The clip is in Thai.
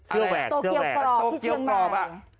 เครื่องแหวกเครื่องแหวกโตเกียวปรอกที่เชื้องใหม่